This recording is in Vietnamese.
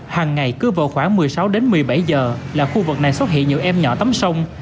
hàng ngày cứ vào khoảng một mươi sáu đến một mươi bảy giờ là khu vực này xuất hiện nhiều em nhỏ tắm sông